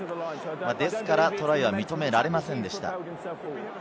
ですから、トライは認められませんでした。